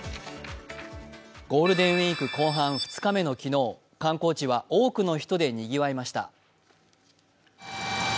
ゴールデンウイーク後半２日目の昨日、観光地は多くの人でにぎわいました。